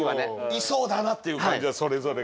いそうだなっていう感じはそれぞれが。